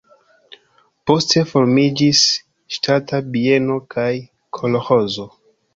Poste formiĝis ŝtata bieno kaj kolĥozo.